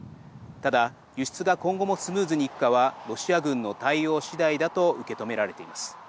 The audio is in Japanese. ただ、輸出が今後もスムーズにいくかはロシア軍の対応次第だと受け止められています。